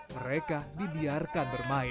mereka dibiarkan bermain